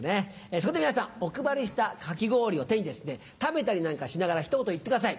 そこで皆さんお配りしたかき氷を手に食べたりなんかしながらひと言言ってください。